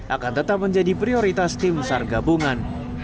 akan tetap menjadi prioritas tim sargabungan